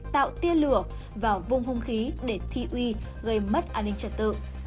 tạo tia lửa vào vùng hông khí để thi uy gây mất an ninh trật tự